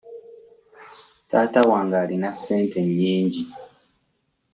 Taata wange alina ssente nnyingi.